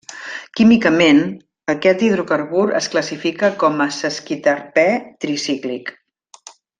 Químicament, aquest hidrocarbur es classifica com a sesquiterpè tricíclic.